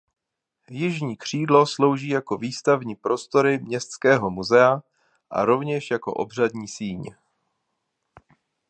Jižní křídlo slouží jako výstavní prostory městského muzea a rovněž jako obřadní síň.